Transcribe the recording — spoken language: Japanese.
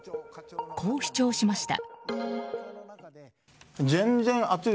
こう主張しました。